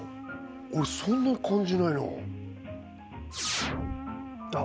俺そんな感じないなあっ